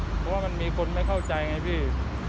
เพราะว่ามันมีคนไม่เข้าใจไงพี่